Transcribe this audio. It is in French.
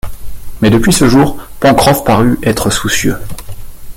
Mais depuis ce jour, Pencroff parut être soucieux